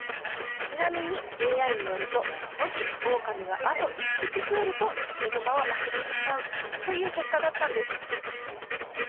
ちなみに ＡＩ によるともしオオカミがあと１匹増えるとヒグマは負けてしまうという結果だったんです